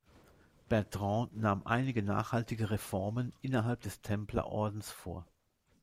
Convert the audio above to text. Bertrand nahm einige nachhaltige Reformen innerhalb des Templerordens vor.